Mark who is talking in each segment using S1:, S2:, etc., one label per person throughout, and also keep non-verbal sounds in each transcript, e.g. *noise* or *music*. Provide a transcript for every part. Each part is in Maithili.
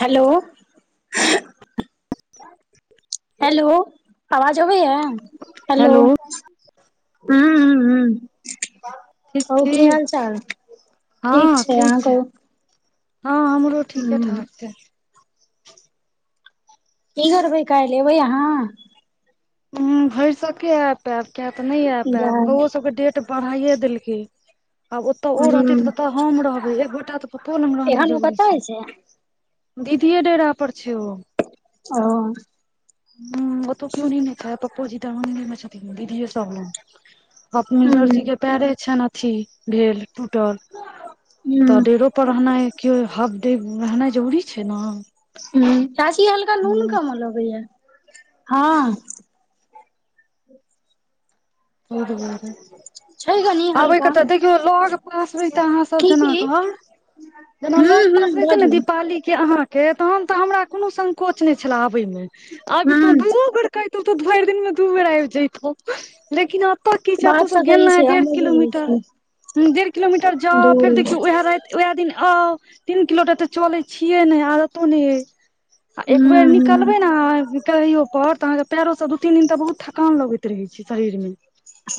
S1: हेलो। हेलो, आवाज आबि रहल यै, हेलो। हँ, ह, ह।
S2: ठीक
S1: कहू
S2: छी
S1: कि हाल चाल? ठीक
S2: हँ
S1: छै,
S2: ठीक
S1: आहाँ कहू?
S2: हँ, हमरो ठीके
S1: हूँ
S2: ठाक छै।
S1: कि करबै काल्हि एबै अहाँ?
S2: भरि सभके आ पयब किया तऽ नहि आ पयब बउआ सभके डेट बढ़ाइ देलकै आब ओतऽ ओ
S1: हूँ
S2: रह हम रहबै एकगोटा। सुपौलमे रहना
S1: एखन ओ
S2: जरूरी
S1: कतऽ
S2: छै, दीदी डेरा पर छै ओ।
S1: ओ।
S2: ह ओतो केउ न खाय पप्पा जी दरभंग में छथि दीदी सब
S1: हूँ
S2: भूपेंद्र जी के पयरे छनि अथी भेल टूटल तऽ
S1: हूँ
S2: डेरो पर रहनाइ केओ हफडेब रहनाइ जरूरी छै ने
S1: ह चाची हल्का नून
S2: ह
S1: कम लगैया हँ
S2: *unintelligible*
S1: छै कनी हल्का
S2: आबैके तऽ देखियौ लग पासमे त अहाँ सब
S1: की
S2: जेना
S1: की
S2: घर जेना
S1: हूँ
S2: लोग
S1: हूँ
S2: पास रहते ने
S1: बाजू
S2: दीपाली के आहाँ के तहन तऽ हमरा कोनो संकोच नहि छले आबे मे अब तो
S1: हूँ
S2: दुनु बेर कहितौ तो भर दिन मे दू बेर आब जतौ लेकिन आब ओतय की छै
S1: बात
S2: एतौ सब
S1: तऽ सही
S2: गेलना है
S1: छै
S2: डेढ़
S1: हमहुँ बुझै
S2: किलोमीटर
S1: छियै
S2: डेढ़ किलोमीटर जाउ
S1: दूर
S2: फेर देखियौ उएह राति उएह दिन आउ तीन किलो तऽ एते चले छियै ने आदतो नहि अइ आ एक
S1: हूँ
S2: बेेर
S1: हूँ
S2: निकलबे ने कहियो पर तऽ अहाँ के पारो सब दू तीन दिन ते बहुत थकान लगैत रहे छै शरीरमे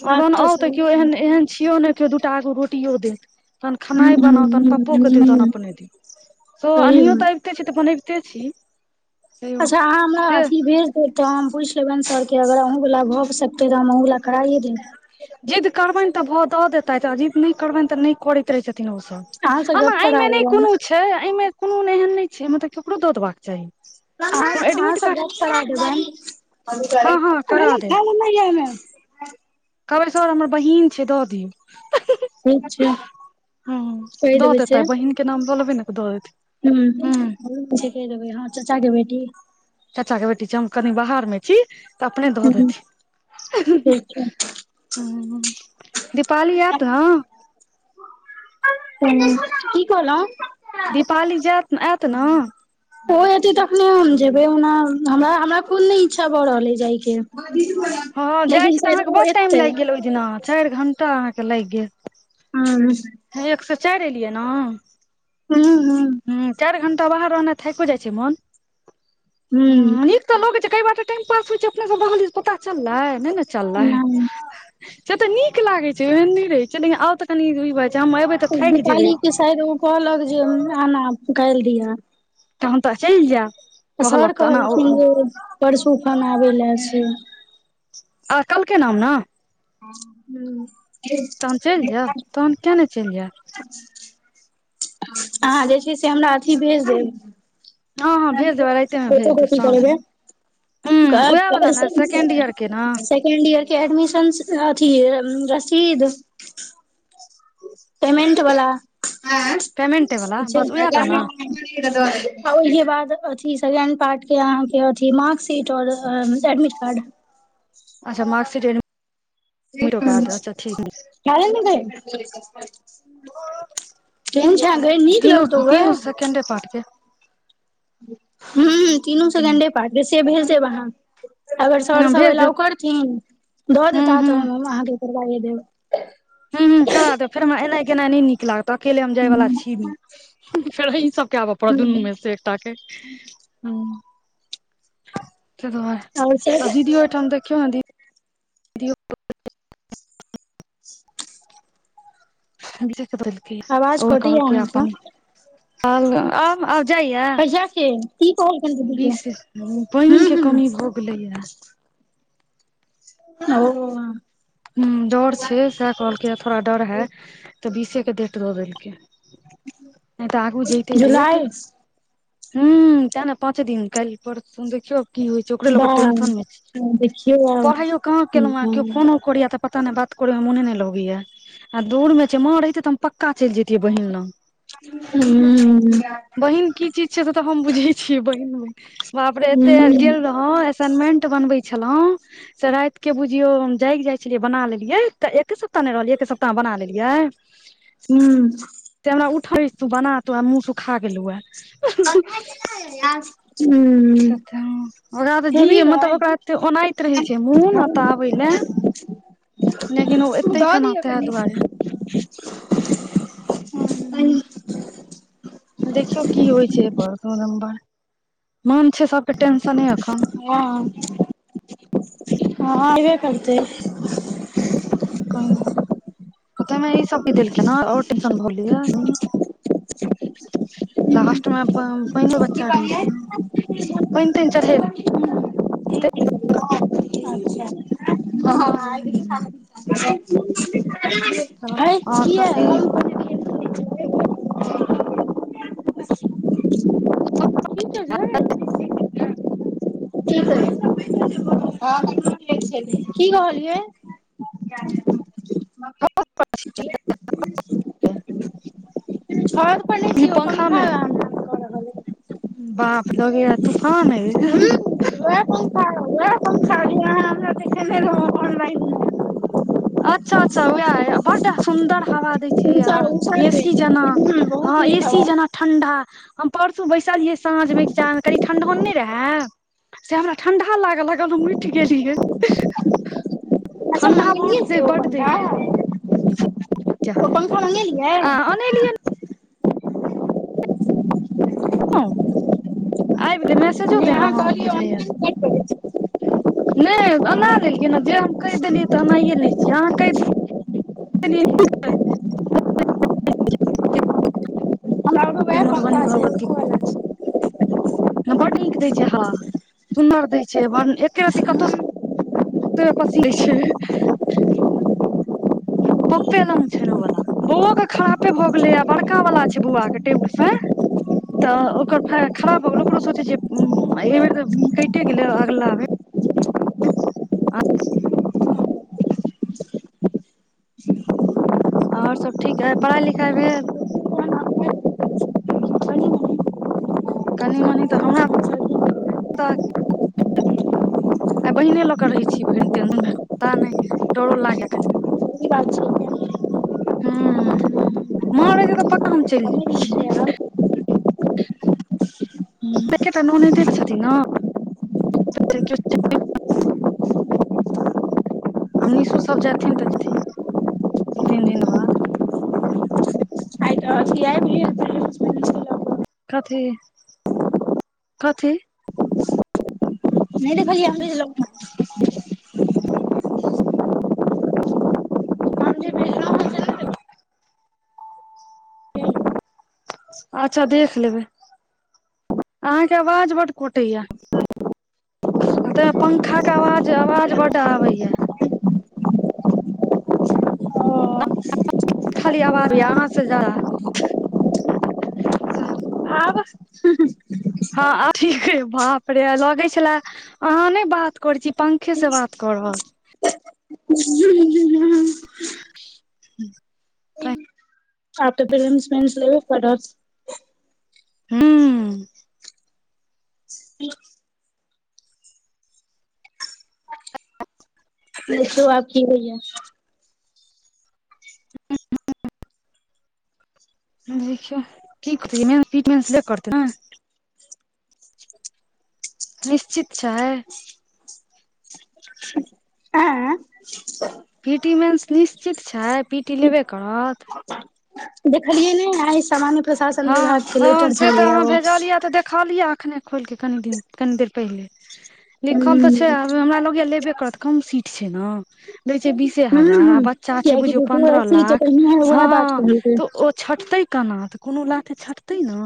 S1: बात
S2: आगन आउ तऽ
S1: सही
S2: केओ एह
S1: छै
S2: एहन छियौ ने केओ दू टा रोटियो देत तहन खेना
S1: हुं हुं
S2: बनाउ तहन पप्पो
S1: हुं
S2: के दियऔ तहन
S1: हुं
S2: अपने दीयौ तो
S1: सही
S2: आनियौ
S1: बात
S2: त ते छै तऽ बनैबिते छी तैयो
S1: अच्छ अहाँ हमरा
S2: से
S1: अथी भेज तऽ हम पूछ लेबन सर के अगर आहूँ वला भऽ सकतै तऽ हम आहूँ वाला कराइए देब
S2: जिद्द करबेन तऽ भऽ दऽ देतथि आ जिद्द नहि करबेन तऽ नहि करैत रहै छथिन ओ
S1: अहाँ से
S2: सभ एना
S1: गप करा
S2: एहिमे नहि
S1: देबनि
S2: कोनो छै एहिमे कोनो एहन नहि छै मतलब ककरो दऽ देबाक चाहि हँ हँ करा देब
S1: *inaudible*
S2: कहबै सर हमर बहिन छै दऽ दियौ
S1: ठीक छै
S2: हँ
S1: *unintelligible* कह
S2: दऽ
S1: देबै
S2: देतै
S1: से
S2: बहिन के नाम लऽ लेबै ने तऽ दऽ देतै
S1: *unintelligible*
S2: हूँ
S1: हू जे क देबै हँ चाचा के बेटी
S2: चाचा के बेटी छै हम कनि बाहर मे छी तऽ अपने दऽ
S1: हुं
S2: देथि
S1: ठीक छै
S2: *unintelligible* दीपाली आएत न
S1: *inaudible*
S2: दीपाली जैत
S1: *inaudible* ओ एते तखने हम जेबै ओना हमरा हमरा खुद नहि इच्छा भऽ रहल ह जाय के *unintelligible*
S2: हँं जाइ छी तऽ अहाँके बड टाइम लागि गेल ओहि दिना चारि घंटा अहाँके लागि गेल
S1: *inaudible*
S2: ह एक स चार एलियै ने
S1: *inaudible*
S2: ह चार घंटा बाहर रहना थको जाइ छै मन
S1: हुं
S2: *unintelligible* नीक नीक त लग छै कई बाटे टाइम पास हो छै अपने सब पता चललै नहि ने चलले
S1: नहि
S2: से तऽ नीक लागे छै ओहन नहि रहे छै लेकिन आउ तऽ कनि छै एबे
S1: दीपाली के शायद ओ कहलक जे लाना काइल दिह
S2: तहन तऽ चैल जेब
S1: सर कहल खिन ओ परसू खना आबे ले से
S2: आ कलके नाम ने
S1: *inaudible*
S2: तहन चलि जायब तहन किया नहि चल जायब
S1: *unintelligible* अहाँ जे छै से हमरा अथी भेज देब
S2: हँ हँ भेज
S1: *unintelligible*
S2: देबै राइते मे भेज देब
S1: फोटोकॉपी
S2: साँझ मे
S1: कलेबै *unintelligible*
S2: हूं उएह वला ने सेकेंड ईयर के ने
S1: सेकेंड ईयर के एडमिशन अथी रसीद पेमेंट वाला *unintelligible*
S2: पेमेंटे वला बस उएह टा ने
S1: ओहिके बाद अथि सेकेंड पार्ट के अहाँके अथि म सीटर एडमिट कार्ड
S2: अच्छा मार्कशीट ठीक
S1: चाल ने तै केन छ गए नीक लगतउ ग
S2: कऽ
S1: हं तीनू ‌ सेकंड डे पार्ट से भेज देब आहाँ अगर सर
S2: हं
S1: सब
S2: भेज देब
S1: एलउ करथिन दऽ
S2: हूं
S1: देता
S2: हूं
S1: तऽ हम आहाँके *unintelligible*
S2: हं हं करा दे फेर हमरा एनाइ केनाइ नहि नीक लागत अकेले हम जाय वाला
S1: ह
S2: छी नई फेर आँहि सबके आबऽ पड़त दुनू में से एकटा के ह तैं दूआर
S1: आओर से
S2: आब दीदी ओहिठाम देखियौ ने दीदी बदलक
S1: आवाज
S2: ओहि में
S1: कटैया
S2: कहलक अपन
S1: अहाँके
S2: आब आब जाइया
S1: कहिया के की कहलखिन दीदी के
S2: बीस
S1: हू
S2: पइन के
S1: हू
S2: कमी भऽ कुलियए
S1: ओ
S2: हं डोर छै से कहलकै थोड़ा डोर है तऽ बीसे के डेट दऽ देलकइ नय तऽ आगू जते डेट
S1: जुलाई
S2: हूँ तऽ ने पाँच दिन कालल पर सुन देखियौ की होइ छय ओकरे ल
S1: वाह
S2: टेंशन मे छै
S1: देखियौ आब
S2: पढ़ाइयो कहाँ
S1: की
S2: केलौ है
S1: ह
S2: केओ फोनो करिया तऽ पता नय बात करे मे मोने नहि लगैया आ दूर मे छै माँ रहिते तऽ पक्का चलि जैतियै बहिन लग
S1: हूँ
S2: बहिन की चीज छय से तऽ हम बुझे छियै बहिन बाप रे एते
S1: ह
S2: आर गेल रह हं असाइनमेंट बनबे छलहुं से राइत के बुझियौ हम जागि जाइ छलियै बना लेलियै तऽ एके सप्ताह नहि रहलियै एके सप्ताह में बना लेलियै
S1: हूँ
S2: से हमरा उठै तू बना तू मुह सुखा गेलौ हैं
S1: हूँ
S2: तऽ ओकरा तऽ जी मतलब ओकरा ए ओना त रहै छै मोन एतऽ आबै लए लेकिन ओ एते
S1: दऽ
S2: केना
S1: दिअ
S2: तैं दुआरे
S1: *unintelligible*
S2: देखियौ की होइ छै एपर दू नम्बर मन छय सबके टेंशने एखन
S1: हँ हँ होबे करतै
S2: तैमे ई सभके देलके नऽ आओर टेनशन भऽ गेलै
S1: *inaudible*
S2: लास्ट में पहिल बच्चा रहै छै पन तनि चढ़े
S1: *unintelligible*
S2: आओर सब ठीक
S1: *unintelligible* *unintelligible* *unintelligible* की कहलियइ
S2: *unintelligible*
S1: छत पर नय छी ओ पंखा हमरा कऽ रहल
S2: बाप रे, तूफान अइछ
S1: उहे *unintelligible* शड़ी अहाँ हमराने रहनलान
S2: अच्छा अच्छा उएह आइ बड सुन्दर हवा दैई
S1: उषा
S2: यार,
S1: उषा
S2: ए
S1: के
S2: सी जेनांक
S1: हूँ
S2: हां
S1: बहुत नीक
S2: एसी
S1: हवा
S2: जेनांक। *unintelligible* ठंडा? हम परसू साँझ में बैसल रहियै, कनि ठंडो नहि रहे। से हमरा ठंडा लागल लागल हम उइठ गेलियै ठंडा
S1: ई
S2: बहुत
S1: है
S2: दे
S1: छय ओ पंखा
S2: केहन
S1: ओ पंखा मंगेलियै
S2: ओनेलियन हँआइब कऽ मैसेजो
S1: नै
S2: देने
S1: अहाँ
S2: रहु
S1: कहलियै
S2: बुझैय यऽ
S1: *unintelligible*
S2: नहि एना
S1: हमरा
S2: लेलियै नऽ जे हम कहि देलियै तऽ अनाइए लै छियै अहाँ कहि *inaudible*
S1: लग
S2: *unintelligible*
S1: वैह
S2: मधुबनी
S1: पंखा छै ओ
S2: भगवतीपुर
S1: वला
S2: बड्ड नीक दै छै हँ सुनर दै छै एके रति कतहु पसी दै छै पप्पे लंग छै ओ वला बुओ कऽ खरापे भऽ गेलै। बड़का वाला छै बौआ कऽ टेबुल फैन तँ ओकर खराब भऽ गेल। ओकरो सोचै छियै एहि बेर तँ कैटे गेल अ अगिला बेर
S1: *inaudible*
S2: *unintelligible* आओर सभ ठीक य पढ़ाई-लिखाई भेल। कनि मनि तऽ हमरा
S1: छै
S2: *unintelligible* आइ बहिने लऽ कऽ रहैत छी *unintelligible* पता नइ डरो लागैय कनी
S1: *unintelligible* बात छै
S2: हूँ
S1: कहि दिन
S2: माँ रहते तऽ पक्का हम चलि जेतियै
S1: छै
S2: एकेटा ननैदे छथिन नऽ *unintelligible* आब निशु सभ जेथिन तऽ जेथिन दू-तीन दिन बाद।
S1: आय तऽ अथि अबि गेल छै *unintelligible*
S2: कथी कथी
S1: नहि देखलिऐ *unintelligible* हम जे भेजलौं हें से नहि
S2: अच्छा, देख लेबै। अहाँक आवाज बड्ड कटैत य। ताई मे पंखा के आवाज आवाज बड्ड आबई य खाली आवाजे
S1: देखलियै
S2: अहाँसँ जादा। *inaudible*
S1: आब। *unintelligible*
S2: हँ आब ठीक ये बाप रे लगै छलै अहाँ नई बात करै छी पंखे सँ बात कऽ रहल छी
S1: *inaudible*
S2: *inaudible* छी।
S1: आब त *unintelligible*
S2: हूँ
S1: देखियौ आब की हौया
S2: *inaudible* देखियौ की करतै मेन *unintelligible* न निश्चित छै।
S1: आँय
S2: पी टी मेन्स निश्चित छै। पी टी लेबे करत।
S1: देखलियै नै आय सामान्य प्रशासन विभाग
S2: हँ
S1: के
S2: हँ हम
S1: लेटर
S2: से तऽ
S1: छलैये
S2: अहाँ
S1: ओ
S2: भेजलियै, तऽ देखलियै अखने खोलि कऽ कनी दिन कनि देर पहिले लिखल तँ छै
S1: हूं
S2: आब हमरा लगैय लेबे करत कम सीट छै नऽ लै छै बीसे हजार
S1: हूं
S2: आ बच्चा छै
S1: कियाकि
S2: बुझियौ
S1: बेटियो
S2: पन्द्रह
S1: एस सी के
S2: लाख
S1: पहिनैये
S2: हँ
S1: वैह बात
S2: हँ
S1: कहलकै
S2: तऽ ओ छटतै केना तऽ कोनो लाथे छटतै नऽ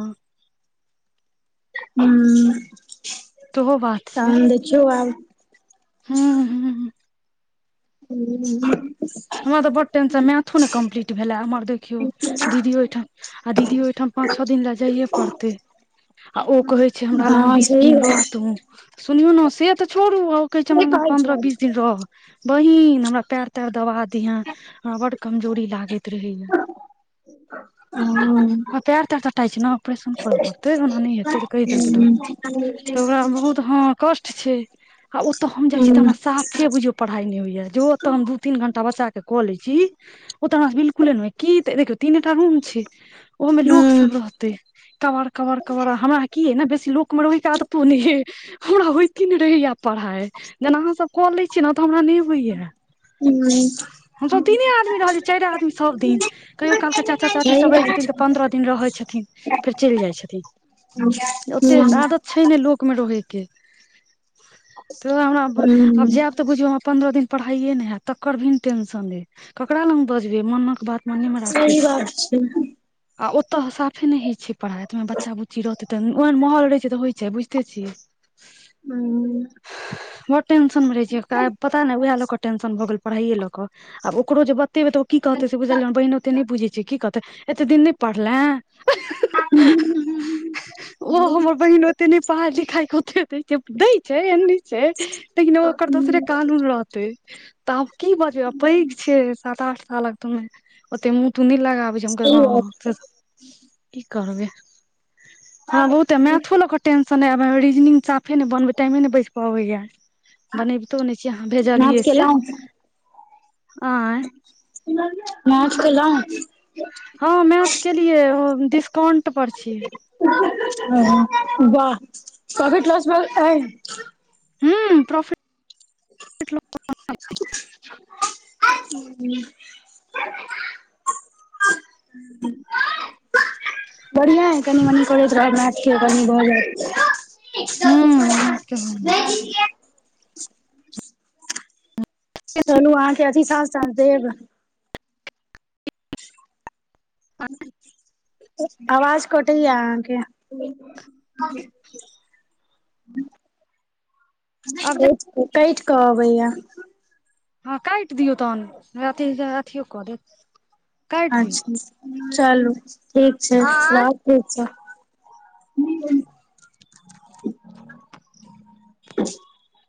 S1: हू
S2: सेहो बात छै
S1: तहन दिखायो आब
S2: हूँ हूँ
S1: हूँ *unintelligible*
S2: हमरा तऽ बड टेनसँ मैथो ने कम्प्लीट भेले हमर देखियौ दीदी ओहिठाम। आ दीदी ओहिठाम पाँच छउ दिन लए जाइए पड़तै आ ओ कहै छय जे हमरा लग बीस
S1: सही
S2: दिन रहत। तूँ सुनौ ने, से तँ छोड़ू। आ कहै
S1: सही
S2: छय
S1: छैथ
S2: पन्द्रह-बीस दिन रहू। बहिन हमरा पैर तैर दवा दिहे हमरा बड़ कमजोरी लागैत रहैया
S1: ह *unintelligible*
S2: पैर-तार तटाई छय ने। ऑपरेशन करऽ पड़तै, ओना नहि हेतै, से डॉक्टर कहि देलनि। तऽ ओकरा बहुत ह कष्ट छय आ ओतऽ हम जाइ छी तऽ हमरा साफ फेर बुझियौ पढ़ाइ नई होइए जो ओतय हम दू तीन घण्टा बच्चाके कऽ लैई छी ओतऽ हमरा बिलकुले ने की देखियौ तीन टा रूम छै ओहो में लोक सब रहते कवड़ कवड़ कबड़ हमरा की ह ने बेसी लोक में रोहि आदत तू ने है हमरा होइते ने रहैया पढ़ाई जेना अहाँ सब कऽ लै छियै ने तऽ हमरा नइ होइया
S1: हूँ
S2: हमसब तीने आदमी रहलियै। चारि आदमी सभ दिन नहि रहैत छल। कहियो-काल चाचा-चाचीसब रहैत छथि, तँ पन्द्रह दिन रहैत छथि, फेर चलि जाइत छथि।
S1: हूँ
S2: छइ ने लोक रहै के तोरा हमरा
S1: हुँ
S2: आब
S1: हुँ
S2: जेब तऽ बुझियौ, पन्द्रह दिन पढ़ाइए नहि होएत। तकरो टेंशन छय। मोनक बात आखिर ककरा लग बजबै? मनेमे राखै
S1: सही
S2: छी।
S1: बात छै हुँ हुँ सही बात छै
S2: आ ओतऽ साफे नहि होइत छै। पढ़ाइ तँऽ रहबे करतै, बच्चा-बुच्ची रहतै तँऽ ओहन माहौल रहैत छै। से तँऽ बुझिते छियइ।
S1: हं
S2: बड टेंशन मे रहे छै पता नई उएह ल कऽ टेंशन भऽ गेल पढ़ाइयए लऽ कऽ आब ओकरो जे बतेबै, तँ ओ की कहतै से बुझलियै। बहिन ओतेक नहि बुझैत छय, एतेक दिनसँ नहि पढ़लै। ओ हमर बहिन ओते नई पढ़ाई लिखाई केते दऽ छै दय छै ऐनी से लेकिन ओकर दोसरे कानून रहत तऽ आब की बाजबै? पैघ छय, सात-आठ सालक तऽ अछि। ओते मुँह नहि लगाब।
S1: सही बात
S2: हँ, की कहब? हमरा बहुते मैथों लाकर। टेंशन नई आब रीजनिंग साफे नइ बनबे टाइमे नई बच पबैया बनबितो नइ छियै, अहाँ
S1: नाच
S2: भेजलियै से।
S1: केलौं
S2: आ *unintelligible*
S1: नाच केल‌उ
S2: हँ मैथ केलियए डिस्काउंट पर छी
S1: वाह ककट कलास बेग आई
S2: हं प्रोफिट *unintelligible*
S1: *unintelligible* बढ़िआँ हइ कनि मनि करैत रहब मैथ कनि भऽ
S2: हूँ
S1: जात
S2: मैथ के
S1: एक चलू अहाँ के अथि सास साझ देब आवाज कटैए अहाँके
S2: आब
S1: क कहबैया।
S2: हँ, काइट दियौ, तखन अथियो कऽ देत। काटि दियौ
S1: अच्छा चलू ठीक छय
S2: आँय
S1: रखै छी। *inaudible*